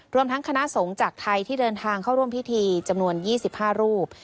รวมทั้งคณะสงฆ์จากไทยที่เดินทางเข้าร่วมพิธีจำนวน๒๕รูป